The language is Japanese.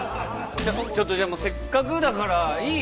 ちょっとじゃあまあせっかくだからいい？